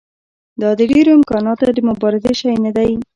دا د ډېرو امکاناتو د مبارزې شی نه دی.